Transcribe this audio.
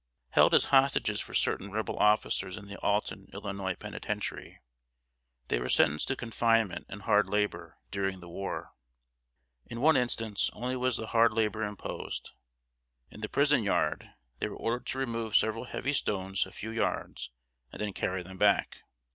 Held as hostages for certain Rebel officers in the Alton, Illinois, penitentiary, they were sentenced to confinement and hard labor during the war. In one instance only was the hard labor imposed. In the prison yard they were ordered to remove several heavy stones a few yards and then carry them back.